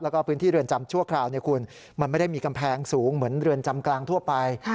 แล้วก็พื้นที่เรือนจำชั่วคราวมันไม่ได้มีกำแพงสูงเหมือนเรือนจำกลางทั่วไป